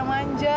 aku tuh kecil aja